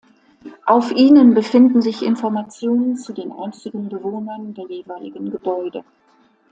Auf ihnen befinden sich Informationen zu den einstigen Bewohnern der jeweiligen Gebäude.